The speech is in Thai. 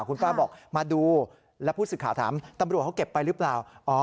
คุณป้าบอกมาดูแล้วผู้สื่อข่าวถามตำรวจเขาเก็บไปหรือเปล่า